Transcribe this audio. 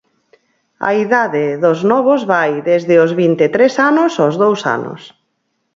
A idade dos novos vai desde os vinte e tres anos aos dous anos.